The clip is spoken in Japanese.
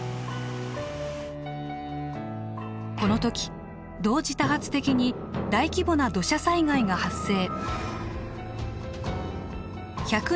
この時同時多発的に大規模な土砂災害が発生。